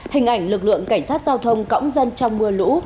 hình ảnh lực lượng cảnh sát giao thông cõng dân trong mưa lũ